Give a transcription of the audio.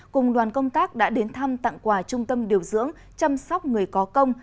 cùng đoàn công tác đã đến thăm tặng quà trung tâm điều dưỡng chăm sóc người có công